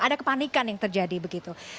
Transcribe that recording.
ada kepanikan yang terjadi begitu